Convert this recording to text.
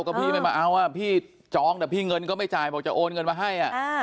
ก็พี่ไม่มาเอาพี่จองแต่พี่เงินก็ไม่จ่ายบอกจะโอนเงินมาให้